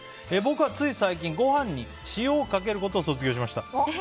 僕はつい最近ご飯に塩をかけることを卒業しました。